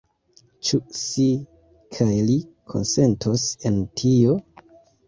Ĉu si kaj li konsentos en tio?